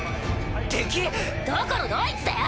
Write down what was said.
敵⁉どこのどいつだよ